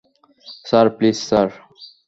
Sir please sir.